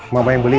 mama yang beli